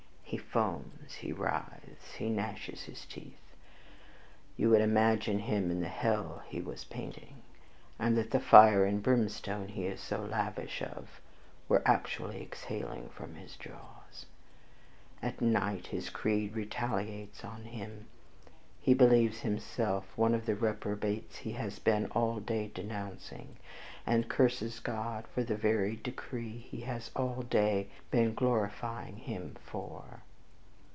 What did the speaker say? He foams, he writhes, he gnashes his teeth; you would imagine him in the hell he was painting, and that the fire and brimstone he is so lavish of were actually exhaling from his jaws. At night his creed retaliates on him; he believes himself one of the reprobates he has been all day denouncing, and curses God for the very decree he has all day been glorifying Him for.